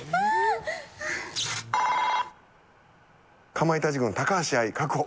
かまいたち軍、高橋愛確保。